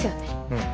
うん。